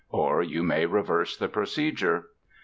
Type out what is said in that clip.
Or you may reverse the procedure.